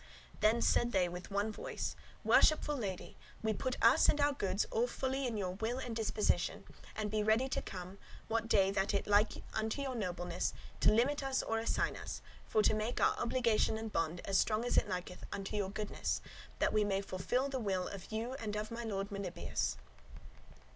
Then said they with one voice, "Worshipful lady, we put us and our goods all fully in your will and disposition, and be ready to come, what day that it like unto your nobleness to limit us or assign us, for to make our obligation and bond, as strong as it liketh unto your goodness, that we may fulfil the will of you and of my lord Melibœus."